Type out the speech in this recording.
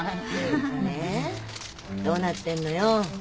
でどうなってんのよ？